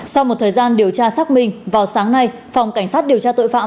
sau một thời gian điều tra xác minh vào sáng nay phòng cảnh sát điều tra tội phạm